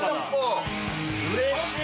うれしい！